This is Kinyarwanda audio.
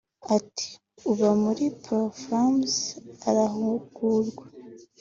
Ati “Uba muri Pro-Femmes arahugurwa